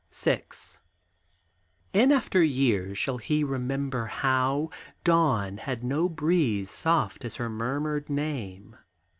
VI. In after years shall he remember how Dawn had no breeze soft as her murmured name?